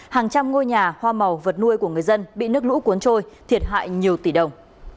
hàng trăm ngôi nhà hoa màu vật nuôi của người dân bị nước lũ cuốn trôi thiệt hại nhiều tỷ đồng